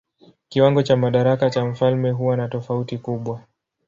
Kiwango cha madaraka cha mfalme huwa na tofauti kubwa.